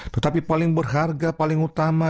tetapi paling berharga paling utama